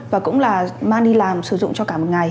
và cũng là mang đi làm sử dụng cho cả một ngày